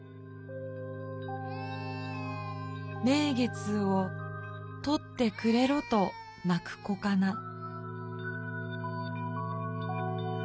「名月を取ってくれろとなく子かな」。